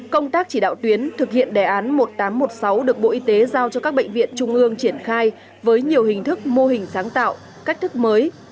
công tác chỉ đạo tuyến thực hiện đề án một nghìn tám trăm một mươi sáu được bộ y tế giao cho các bệnh viện trung ương triển khai với nhiều hình thức mô hình sáng tạo cách thức mới